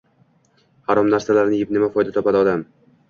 Harom narsalarni yeb nima foyda topadi odam?!